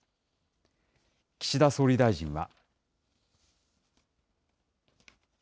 岸田総理大臣は。